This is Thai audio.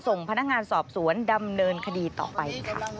ส่งพนักงานสอบสวนดำเนินคดีต่อไปค่ะ